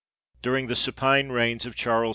During the supine reigns of Charles II.